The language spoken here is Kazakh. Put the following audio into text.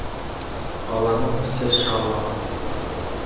Баланың ісі шала.